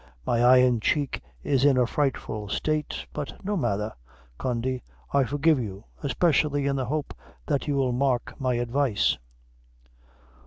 My eye and cheek is in a frightful state; but no matther, Condy, I forgive you, especially in the hope that you'll mark my advice."